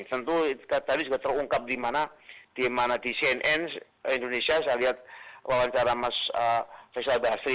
tentu tadi juga terungkap di mana di cnn indonesia saya lihat wawancara mas faisal basri